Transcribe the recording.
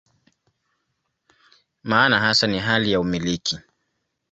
Maana hasa ni hali ya "umiliki".